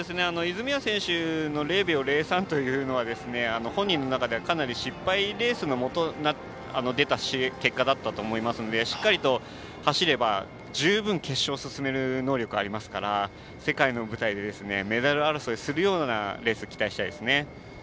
泉谷選手の０３というのは本人の中ではかなり失敗レースの出た結果だと思いますのでしっかりと走れば、十分決勝に進める能力あるので世界の舞台でメダル争いするようなレース期待したいですね。